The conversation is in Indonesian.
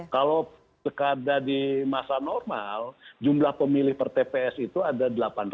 kalau sekada di masa normal jumlah pemilih per tps itu ada delapan ratus